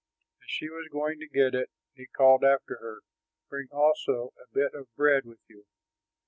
As she was going to get it, he called after her, "Bring also a bit of bread with you."